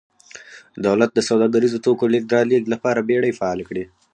دولت د سوداګریزو توکو لېږد رالېږد لپاره بېړۍ فعالې کړې